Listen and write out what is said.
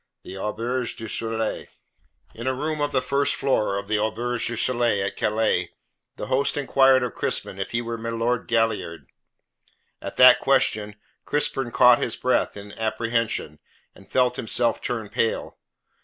THE AUBERGE DU SOLEIL In a room of the first floor of the Auberge du Soleil, at Calais, the host inquired of Crispin if he were milord Galliard. At that question Crispin caught his breath in apprehension, and felt himself turn pale.